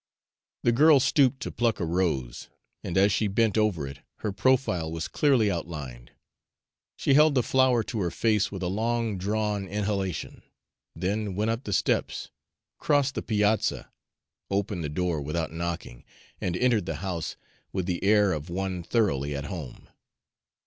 The girl stooped to pluck a rose, and as she bent over it, her profile was clearly outlined. She held the flower to her face with a long drawn inhalation, then went up the steps, crossed the piazza, opened the door without knocking, and entered the house with the air of one thoroughly at home.